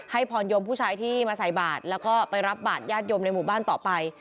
พรยมผู้ชายที่มาใส่บาทแล้วก็ไปรับบาทญาติโยมในหมู่บ้านต่อไป